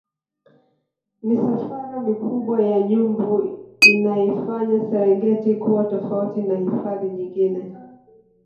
misafara mikubwa ya nyumbu inaifanya serengeti kuwa tofauti na hifadhi nyingine